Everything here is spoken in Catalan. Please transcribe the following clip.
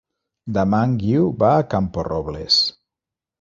Demà en Guiu va a Camporrobles.